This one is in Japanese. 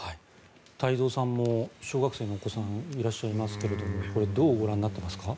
太蔵さんも小学生のお子さんがいらっしゃいますけれどこれどうご覧になっていますか。